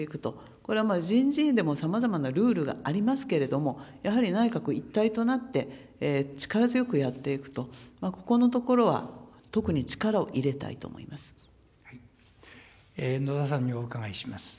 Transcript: これは人事院でもさまざまなルールがありますけれども、やはり内閣一体となって、力強くやっていくと、ここのところは特に力を入野田さんにお伺いします。